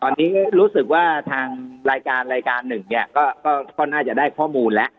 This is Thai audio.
ตอนนี้รู้สึกว่าทางรายการรายการหนึ่งเนี่ยก็น่าจะได้ข้อมูลแล้ว